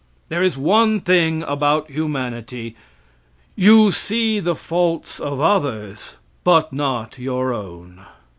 There is one thing about humanity. You see the faults of others, but not your own.